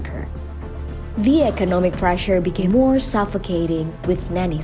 kekuatan ekonomi menjadi lebih menyedihkan dengan kelahiran nanny